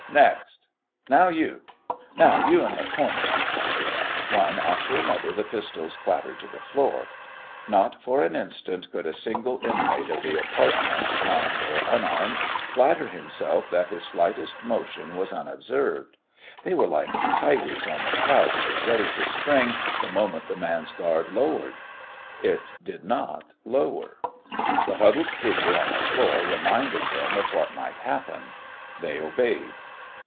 "Next. Now you. Now you in th' corner." One after another the pistols clattered to the floor. Not for an instant could a single inmate of the apartment, armed or unarmed, flatter himself that his slightest motion was unobserved. They were like tigers on the crouch, ready to spring the moment the man's guard lowered. It did not lower. The huddled figure on the floor reminded them of what might happen. They obeyed.